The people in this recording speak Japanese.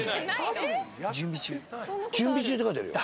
「準備中」って書いてあるよ。